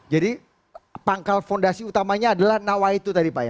jadi pangkal fondasi utamanya adalah nawaitu tadi pak ya